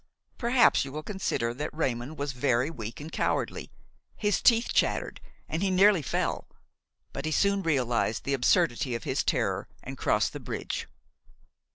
Perhaps you will consider that Raymon was very weak and cowardly; his teeth chattered and he nearly fell; but he soon realized the absurdity of his terror and crossed the bridge.